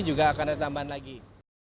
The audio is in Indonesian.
juga akan ada tambahan lagi